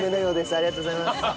ありがとうございます。